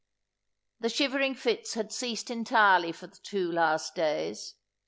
The shivering fits had ceased entirely for the two last days.